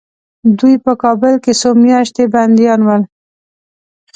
دوی په کابل کې څو میاشتې بندیان ول.